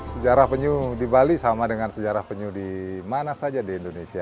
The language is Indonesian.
sejarah penyu di bali sama dengan sejarah penyu di mana saja di indonesia